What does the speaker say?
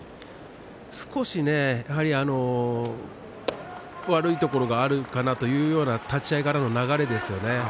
少しね、やはり悪いところがあるかなというような立ち合いからの流れですね